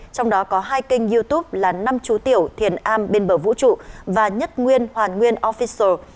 trong đó có hai kênh youtube là năm chú tiểu thiền a bên bờ vũ trụ và nhất nguyên hoàn nguyên offisial